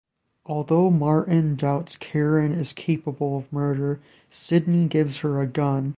Although Martin doubts Karen is capable of murder, Sidney gives her a gun.